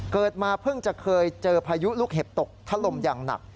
เกิดมาเพิ่งจะเคยเจอพายุลูกเห็บตกทะลมอย่างหนัก